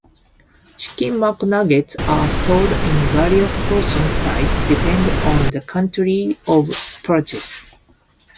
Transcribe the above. Chicken McNuggets are sold in various portion sizes depending on the country of purchase.